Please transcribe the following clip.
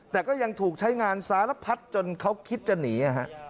แต่ก็ยังถูกใช้งานสารพัดจนเขาคิดจะหนี